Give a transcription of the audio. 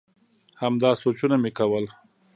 همدا سوچونه مي کول ؟